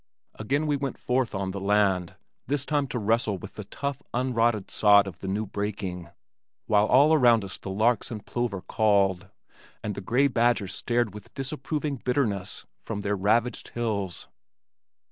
Again we went forth on the land, this time to wrestle with the tough, unrotted sod of the new breaking, while all around us the larks and plover called and the gray badgers stared with disapproving bitterness from their ravaged hills.